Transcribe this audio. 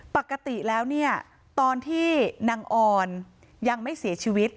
ปกติแล้วเนี่ยตอนที่นางออนยังไม่เสียชีวิต